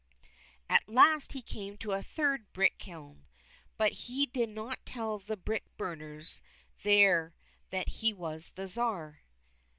At last he came to a third brick kiln, but he did not tell the brick burners there that he was the Tsar.